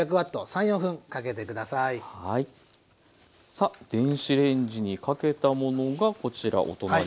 さあ電子レンジにかけたものがこちらお隣ですね。